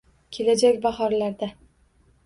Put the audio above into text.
Kelajak bahorlarga.